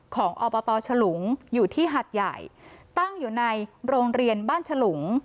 อบตฉลุงอยู่ที่หัดใหญ่ตั้งอยู่ในโรงเรียนบ้านฉลุง